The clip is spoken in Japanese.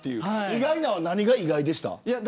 意外なのは、何が意外でした。